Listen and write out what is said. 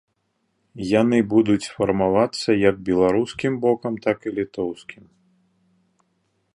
Яны будуць фармавацца як беларускім бокам, так і літоўскім.